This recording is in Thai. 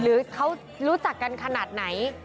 หรือเขารู้จักกันขนาดไหน